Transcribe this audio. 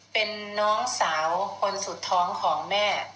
เป็นน้องสาวคนสุดท้องของแม่